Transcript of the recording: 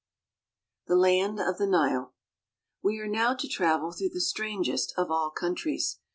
THE LAND OF THE NILE E are now to travel through the strangest of all countries.